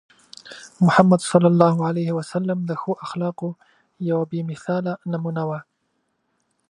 محمد صلى الله عليه وسلم د ښو اخلاقو یوه بې مثاله نمونه وو.